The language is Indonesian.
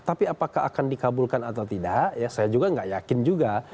tapi apakah akan dikabulkan atau tidak ya saya juga nggak yakin juga